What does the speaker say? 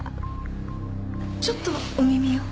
ちょっとお耳を。